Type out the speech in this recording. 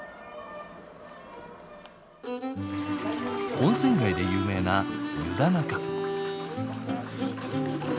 温泉街で有名な湯田中。